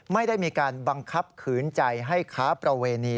ไม่ได้มีการบังคับขืนใจให้ค้าประเวณี